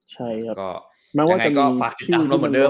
ใช่ว่ายังไงก็ปล่อยติดตามเราเหมือนเดิม